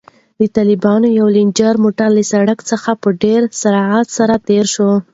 د طالبانو یو رنجر موټر له سړک څخه په ډېر سرعت سره تېر شو.